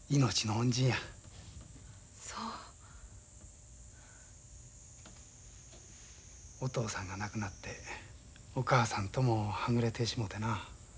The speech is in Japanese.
お父さんが亡くなってお母さんともはぐれてしもてな。